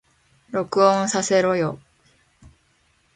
録音させろよ